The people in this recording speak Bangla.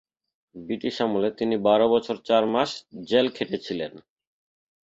ব্রিটিশ আমলে তিনি বারো বছর চার মাস জেল খেটেছিলেন।